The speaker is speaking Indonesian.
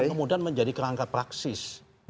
kemudian menjadi kerangka praksis